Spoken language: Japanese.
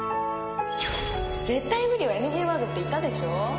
「絶対無理」はＮＧワードって言ったでしょ。